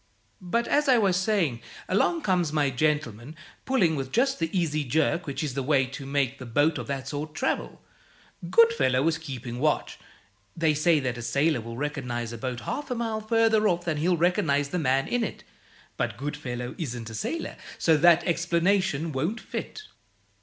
But, as I was saying, along comes my gentleman, pulling with just the easy jerk which is the way to make a boat of that sort travel. Goodfellow was keeping watch. They say that a sailor will recognize a boat half a mile further off than he'll recognize the man in it, but Goodfellow isn't a sailor, so that explanation won't fit.